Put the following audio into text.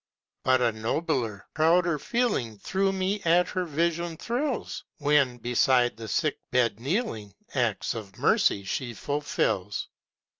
But a nobler, prouder feeling Through me at her vision thrills, When, beside the sick bed kneeling, Acts of mercy she fulfils.